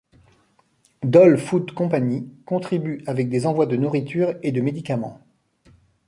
Dole Food Company contribue avec des envois de nourriture et de médicament.